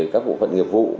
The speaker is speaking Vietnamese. các bộ phận nghiệp vụ